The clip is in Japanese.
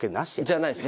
じゃないです